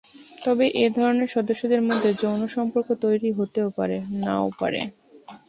তবে এধরনের সদস্যদের মধ্যে যৌন সম্পর্ক তৈরী হতেও পারে, নাও পারে।